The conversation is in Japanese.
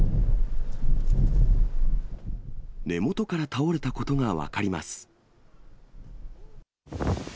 根元から倒れたことが分かります。